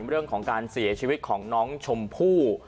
เรื่องของการเสียชีวิตของน้องชมพู่